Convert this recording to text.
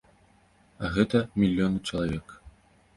А гэта мільёны чалавек.